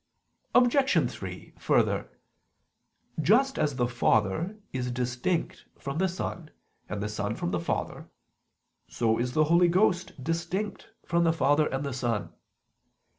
Obj. 3: Further, just as the Father is distinct from the Son and the Son from the Father, so is the Holy Ghost distinct from the Father and the Son.